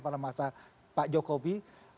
pada masa pak jokowi